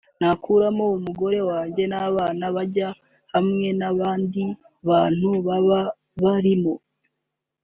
Nakuramo Umugore wanjye n’abana banjye hamwe n’abandi bantu baba barimo